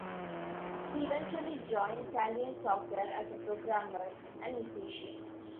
He eventually joined Thalion Software as a programmer and musician.